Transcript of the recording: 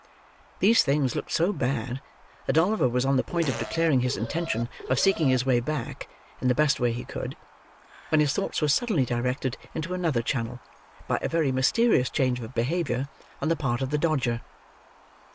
These things looked so bad, that Oliver was on the point of declaring his intention of seeking his way back, in the best way he could; when his thoughts were suddenly directed into another channel, by a very mysterious change of behaviour on the part of the Dodger.